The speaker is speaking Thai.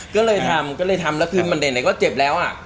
ก็เลยทำมันใดก็เจ็บแล้วอ่ะ